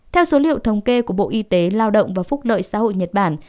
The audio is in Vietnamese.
theo số liệu thống kê của bộ y tế lao động và phúc lợi xã hội nhật bản